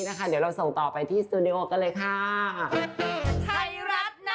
เดี๋ยวเราส่งต่อไปที่สตูดิโอกันเลยค่ะ